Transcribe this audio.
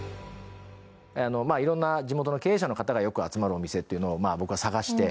色んな地元の経営者の方がよく集まるお店というのを僕は探して。